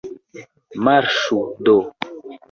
Marŝu do!